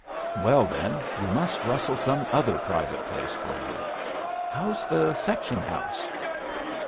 "Well, then, we must rustle some other private place for you. How's the section house?"